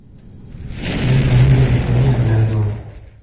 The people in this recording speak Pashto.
دا د امیر یوه خیالي اندازه وه.